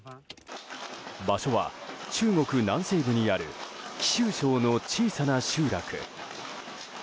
場所は中国南西部にある貴州省の小さな集落。